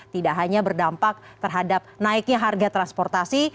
tidak hanya berdampak terhadap naiknya harga transportasi